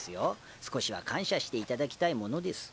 少しは感謝していただきたいものです。